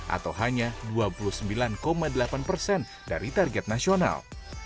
atau hanya dua puluh sembilan delapan persen dari target nasional